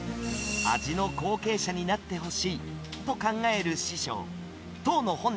味の後継者になってほしいと考える師匠。